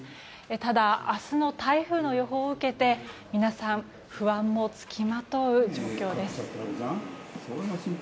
ただ、明日の台風の予報を受けて皆さん不安も付きまとう状況です。